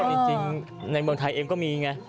จริงในเมืองไทยเองก็มีไง